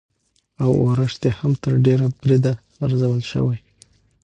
او ارزښت يې هم تر ډېره بريده ارزول شوى،